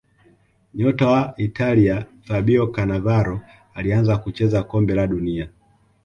nyota wa italia fabio canavaro alianza kucheza kombe la dunia